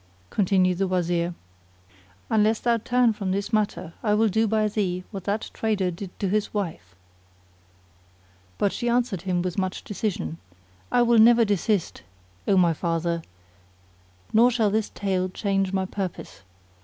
continued the Wazir, "Unless thou turn from this matter I will do by thee what that trader did to his wife." But she answered him with much decision, "I will never desist, O my father, nor shall this tale change my purpose.